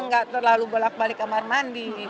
nggak terlalu bolak balik kamar mandi